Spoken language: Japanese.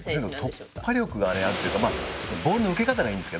突破力があるというかボールの受け方がいいんですけど。